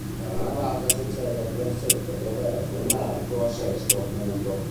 Dalla navata si accede al transetto attraverso un arco a sesto acuto.